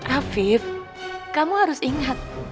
afif kamu harus ingat